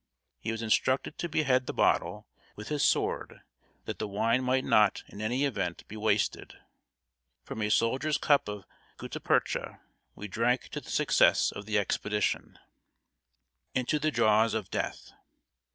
He was instructed to behead the bottle with his sword, that the wine might not in any event be wasted. From a soldier's cup of gutta percha we drank to the success of the expedition. [Sidenote: INTO THE JAWS OF DEATH.